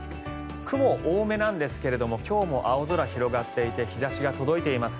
雲、多めなんですが今日も青空が広がっていて日差しが届いています。